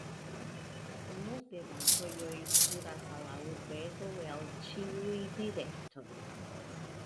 Multe da vojoj kuras al la urbego el ĉiuj direktoj.